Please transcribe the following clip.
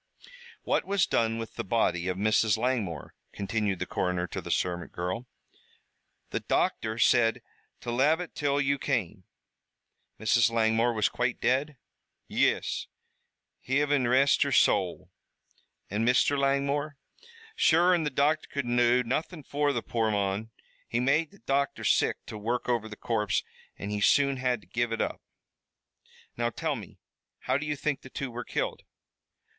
"What was done with the body of Mrs. Langmore?" continued the coroner to the servant girl. "The docther said to lave it till you came." "Mrs. Langmore was quite dead?" "Yis. Hivin rest her sowl!" "And Mr. Langmore?" "Sure an' the docther could do nothin' fer the poor mon. It made the docther sick to work over the corpse an' he soon had to give it up." "Now, tell me, how do you think the two were killed?"